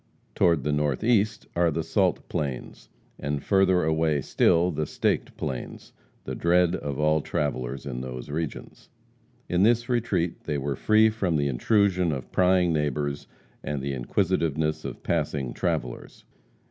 Toward the northeast are the Salt Plains, and, further away still, the Staked Plains, the dread of all travellers in those regions. In this retreat they were free from the intrusion of prying neighbors, and the inquisitiveness of passing travellers.